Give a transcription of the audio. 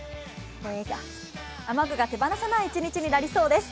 雨具が手放せない一日となりそうです。